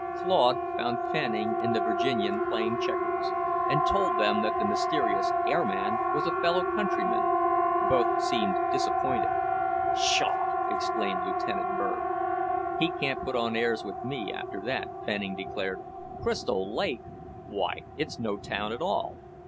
Claude found Fanning and the Virginian playing checkers, and told them that the mysterious air man was a fellow countryman. Both seemed disappointed. "Pshaw!" exclaimed Lieutenant Bird. "He can't put on airs with me, after that," Fanning declared. "Crystal Lake! Why it's no town at all!"